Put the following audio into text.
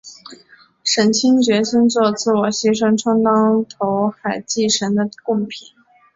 沈清决心作自我牺牲充当投海祭神的供品。